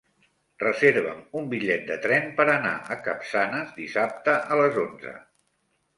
Reserva'm un bitllet de tren per anar a Capçanes dissabte a les onze.